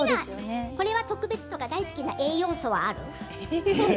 これは特別とか大好きな栄養素とかある？